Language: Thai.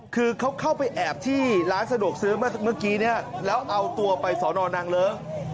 คือเขาเข้าไปแอบที่ร้านสะดวกซื้อเมื่อกี้เนี่ยแล้วเอาตัวไปสอนอนนางเลิ้ง